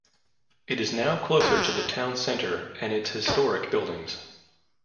It is now closer to the town centre and its historic buildings.